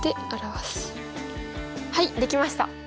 はいできました。